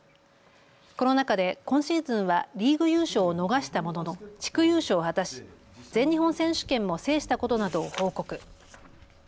この中で今シーズンはリーグ優勝を逃したものの地区優勝を果たし全日本選手権も制したことなどを報告。